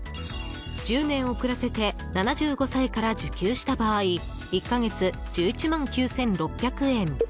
１０年遅らせて７５歳から受給した場合１か月１１万９６００円。